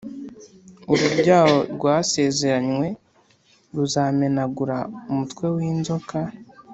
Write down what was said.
,— urubyaro rwasezeranywe ruzamenagura umutwe w’inzoka